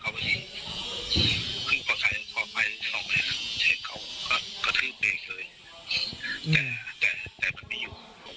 คือพอสายตัวไป๒เห็นเขาก็ทรืมได้เกิดเลยแต่มันไม่อยู่